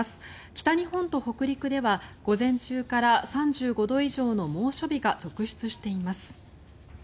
北日本と北陸では午前中から３５度以上の猛暑日が続出しています。